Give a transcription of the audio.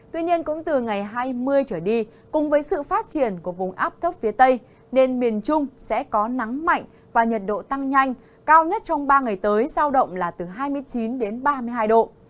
tuy nhiên cũng từ ngày hai mươi trở đi cùng với sự phát triển của vùng áp thấp phía tây nên miền trung sẽ có nắng mạnh và nhiệt độ tăng nhanh cao nhất trong ba ngày tới giao động là từ hai mươi chín đến ba mươi hai độ